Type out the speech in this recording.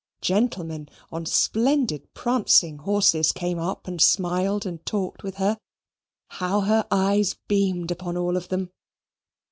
Gentlemen on splendid prancing horses came up and smiled and talked with her. How her eyes beamed upon all of them!